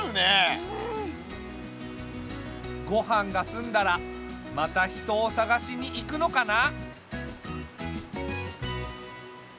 ごはんがすんだらまた人を探しに行くのかな？